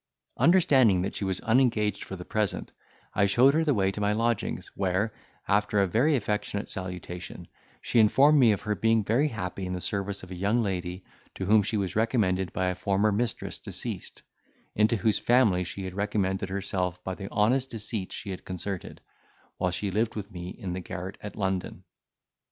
Understanding that she was unengaged for the present, I showed her the way to my lodgings, where, after a very affectionate salutation, she informed me of her being very happy in the service of a young lady to whom she was recommended by a former mistress deceased, into whose family she had recommended herself by the honest deceit she had concerted, while she lived with me in the garret at London.